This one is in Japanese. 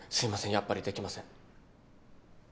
やっぱりできません。